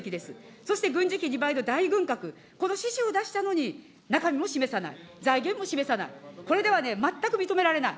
そして軍事費２倍の大軍拡、この指示を出したのに、中身も示さない、財源も示さない、これでは全く認められない。